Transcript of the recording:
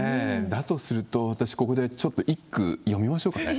だとすると、私、ここでちょっと一句詠みましょうかね。